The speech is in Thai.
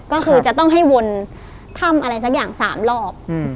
ก็คือจะต้องให้วนถ้ำอะไรสักอย่าง๓รอบ